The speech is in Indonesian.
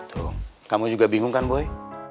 tolong kamu juga bingung kan boy